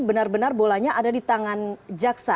benar benar bolanya ada di tangan jaksa